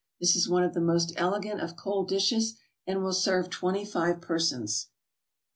This is one of the most elegant of cold dishes, and will serve twenty five persons.